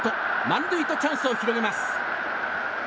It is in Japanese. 満塁とチャンスを広げます。